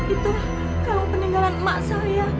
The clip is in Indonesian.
itu kalau peninggalan emak saya